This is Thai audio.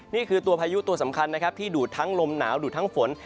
นี่คือตัวพายุตัวสำคัญนะครับที่ดูดทั้งลมหนาวดูดทั้งฝน